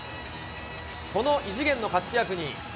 この異次元の活躍に。